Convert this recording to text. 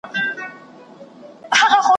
چي په ښکار وو د مرغانو راوتلی ,